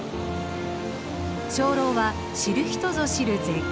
鐘楼は知る人ぞ知る絶景ポイント。